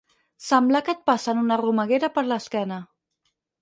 Semblar que et passen una romeguera per l'esquena.